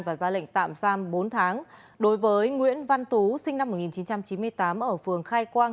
và ra lệnh tạm giam bốn tháng đối với nguyễn văn tú sinh năm một nghìn chín trăm chín mươi tám ở phường khai quang